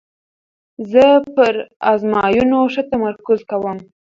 زه پر آزموینو ښه تمرکز کوم.